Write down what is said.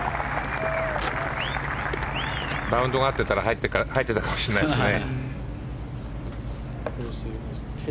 バウンドが合ってたら入ってたかもしれないですね。